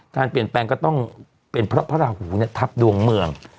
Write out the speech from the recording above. การเปลี่ยนแปลงก็ต้องเป็นเพราะพระราหูเนี่ยทับดวงเมือง